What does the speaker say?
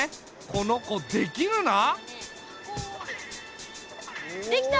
この子できるな！出来た！